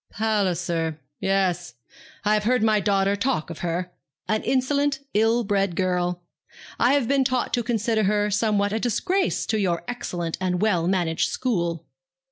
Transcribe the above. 'Palliser; yes, I have heard my daughter talk of her. An insolent, ill bred girl. I have been taught to consider her somewhat a disgrace to your excellent and well managed school.'